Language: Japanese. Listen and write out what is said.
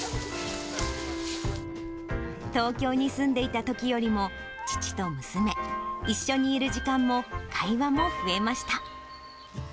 東京に住んでいたときよりも、父と娘、一緒にいる時間も、会話も増えました。